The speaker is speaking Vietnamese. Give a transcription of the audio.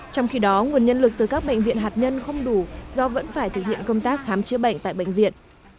trong khi đó nguồn nhân lực từ các bệnh viện hạt nhân không đủ do vẫn phải thực hiện công tác khám chữa bệnh tại bệnh viện